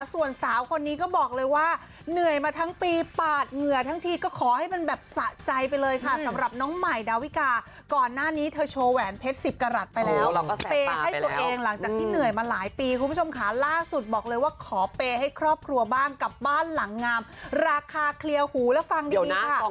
ส่วนสาวคนนี้ก็บอกเลยว่าเหนื่อยมาทั้งปีปาดเหงื่อทั้งทีก็ขอให้มันแบบสะใจไปเลยค่ะสำหรับน้องใหม่ดาวิกาก่อนหน้านี้เธอโชว์แหวนเพชร๑๐กรัฐไปแล้วเปย์ให้ตัวเองหลังจากที่เหนื่อยมาหลายปีคุณผู้ชมค่ะล่าสุดบอกเลยว่าขอเปย์ให้ครอบครัวบ้างกับบ้านหลังงามราคาเคลียร์หูแล้วฟังดีค่ะ